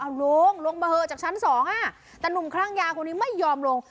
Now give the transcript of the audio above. เอาลงลงมาเหอะจากชั้นสองอ่ะแต่หนุ่มคลั่งยาคนนี้ไม่ยอมลง